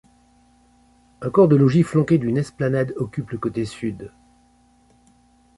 Un corps de logis flanqué d'une esplanade occupe le côté sud.